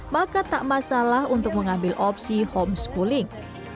maka tak masalah untuk mengambil opsi homeschooling